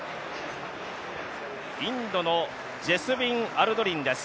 インドのジェスウィン・アルドリンです。